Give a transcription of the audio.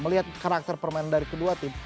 melihat karakter permainan dari kemudian